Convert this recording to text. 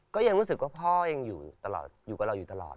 ก็ยังรู้สึกว่าพ่อยังอยู่ตลอดอยู่กับเราอยู่ตลอด